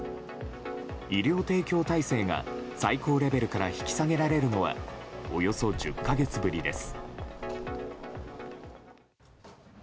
医療提供体制が最高レベルから引き下げられるのはおよそ１０か月ぶりです。